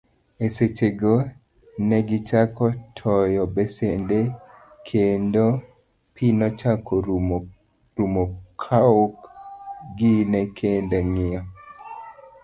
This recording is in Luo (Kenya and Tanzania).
E sechego, negichako toyo besende kendo pii nochako rumo kaok gine kendo ng'iyo.